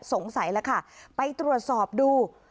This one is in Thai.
สงสัยแล้วค่ะไปตรวจสอบดู